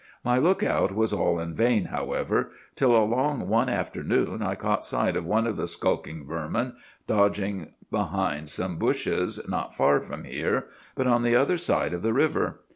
My lookout was all in vain, however, till along one afternoon I caught sight of one of the skulking vermin dodging behind some bushes, not far from here, but on the other side of the river.